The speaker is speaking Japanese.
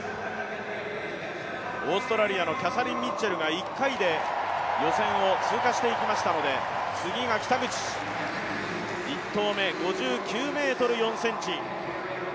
オーストラリアのキャサリン・ミッチェルが１回で予選を通過していきましたので、次が北口１投目、５９ｍ０４ｃｍ。